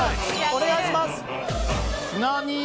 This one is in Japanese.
お願いします。